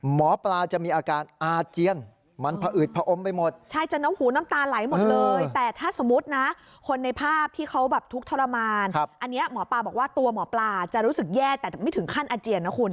หมอปลาจะมีอาการอาเจียนมันผอืดผอมไปหมดใช่จนน้ำหูน้ำตาไหลหมดเลยแต่ถ้าสมมุตินะคนในภาพที่เขาแบบทุกข์ทรมานอันนี้หมอปลาบอกว่าตัวหมอปลาจะรู้สึกแย่แต่ไม่ถึงขั้นอาเจียนนะคุณ